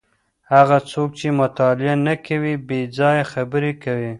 هغه څوک چي مطالعه نه کوي بې ځایه خبري کوي.